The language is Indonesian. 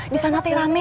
disana teh rame